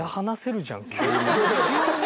急に。